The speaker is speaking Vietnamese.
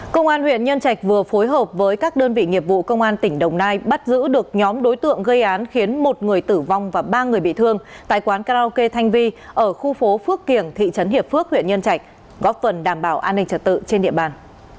công an huyện nhân trạch vừa phối hợp với các đơn vị nghiệp vụ công an tỉnh đồng nai bắt giữ được nhóm đối tượng gây án khiến một người tử vong và ba người bị thương tại quán karaoke thanh vi ở khu phố phước kiểng thị trấn hiệp phước huyện nhân trạch góp phần đảm bảo an ninh trật tự trên địa bàn